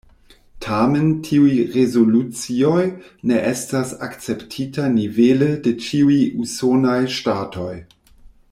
Tamen tiuj rezolucioj ne estas akceptita nivele de ĉiuj usonaj ŝtatoj.